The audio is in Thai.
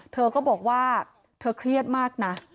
เธอก็บอกว่าเธอเครียดมากนะ